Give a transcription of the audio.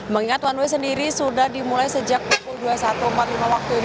mengingat one way sendiri sudah dimulai sejak pukul dua puluh satu empat puluh lima waktu indonesia